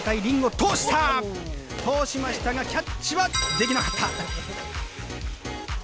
通しましたがキャッチはできなかった。